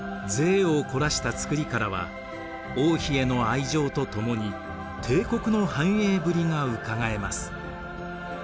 いを凝らした造りからは王妃への愛情とともに帝国の繁栄ぶりがうかがえます。